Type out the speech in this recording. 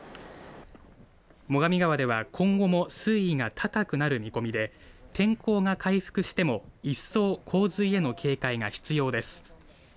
最上川では今後も水位が高くなる見込みで天候が回復しても一層、洪水への警戒が必要です。